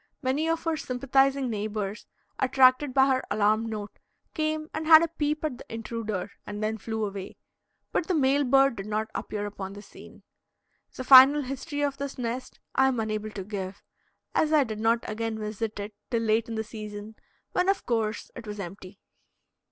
Many of her sympathizing neighbors, attracted by her alarm note, came and had a peep at the intruder and then flew away, but the male bird did not appear upon the scene. The final history of this nest I am unable to give, as I did not again visit it till late in the season, when, of course, it was empty.